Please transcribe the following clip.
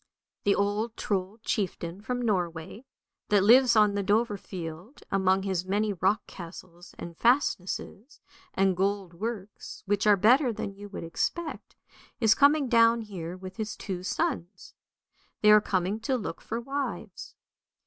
The old Trold chieftain from Norway, that lives on the Dovrefield, among his many rock castles and fastnesses and gold works, which are better than you would expect, is coming down here with his two sons. They are coming to look for wives.